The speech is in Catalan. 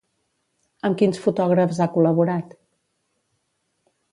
Amb quins fotògrafs ha col·laborat?